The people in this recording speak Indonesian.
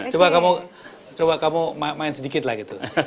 coba kamu main sedikit lah gitu